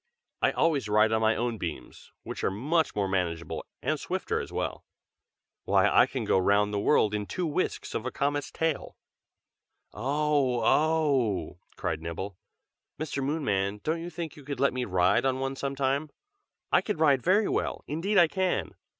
"I always ride on my own beams, which are much more manageable, and swifter as well. Why, I can go round the world in two whisks of a comet's tail." "Oh! oh!" cried Nibble. "Mr. Moonman, don't you think you could let me ride on one some time? I can ride very well, indeed I can!